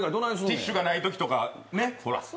ティッシュがないときとかね。